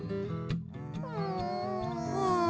うん。